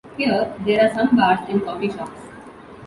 Here, there are some bars and coffee shops.